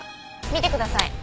見てください。